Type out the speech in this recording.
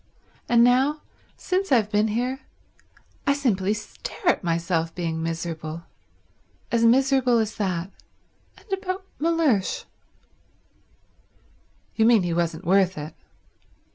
And now, since I've been here, I simply stare at myself being miserable. As miserable as that. And about Mellersh." "You mean he wasn't worth it."